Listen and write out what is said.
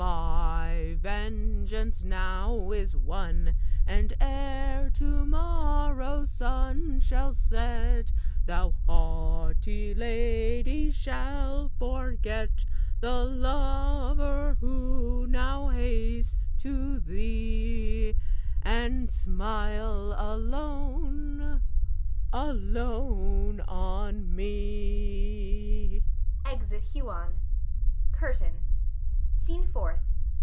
My vengeance now is won, And ere to morrow's sun shall set, Thou, haughty lady, shalt forget The lover who now hastes to thee, And smile alone, alone on me. [Exit Huon. CURTAIN. SCENE FOURTH.